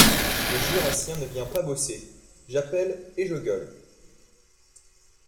Le Jurassien ne vient pas bosser, j’appelle et je gueule.